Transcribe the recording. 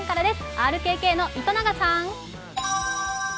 ＲＫＫの糸永さん。